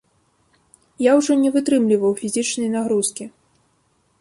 Я ўжо не вытрымліваў фізічнай нагрузкі.